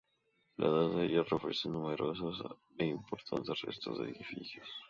La Edad del Hierro ofrece numerosos e importantes restos de edificios.